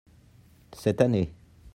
cette année.